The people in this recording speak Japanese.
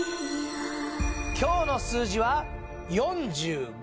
今日の数字は「４５」